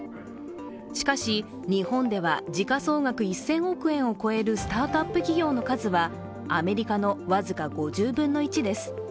しかし、日本では時価総額１０００億円を超えるスタートアップ企業の数はアメリカの僅か５０分の１です。